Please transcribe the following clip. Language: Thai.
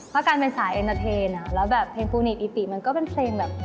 เพราะการเป็นสายเอ็นเตอร์เทนแล้วแบบเพลงฟูนิกอิติมันก็เป็นเพลงแบบ